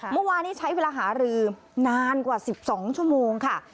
เมื่อวานนี้ใช้เวลาหารือนานกว่า๑๒ชั่วโมงค่ะ